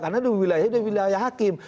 karena di wilayah wilayah hakim